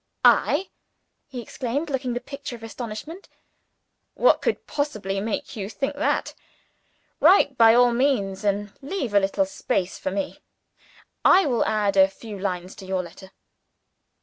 "I?" he exclaimed, looking the picture of astonishment. "What could possibly make you think that? Write by all means and leave a little space for me. I will add a few lines to your letter."